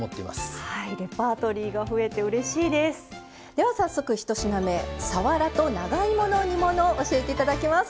では早速１品目さわらと長芋の煮物教えていただきます。